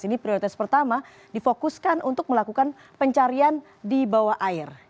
ini prioritas pertama difokuskan untuk melakukan pencarian di bawah air